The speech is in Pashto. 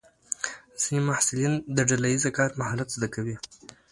ځینې محصلین د ډله ییز کار مهارت زده کوي.